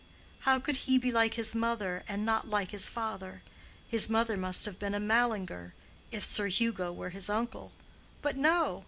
How could he be like his mother and not like his father? His mother must have been a Mallinger, if Sir Hugo were his uncle. But no!